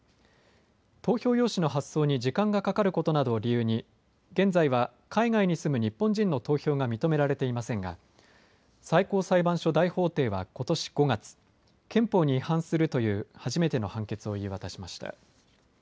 投票用紙の発送に時間がかかることなどを理由に現在は海外に住む日本人の投票が認められていませんが最高裁判所大法廷はことし５月、憲法に違反するという初めての判決を言い渡しました。